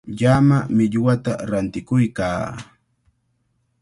Llama millwata rantikuykaa.